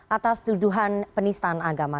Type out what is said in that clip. atas tuduhan penistaan agama